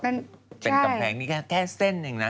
กำแพงนี่แค่เส้นหนึ่งนะ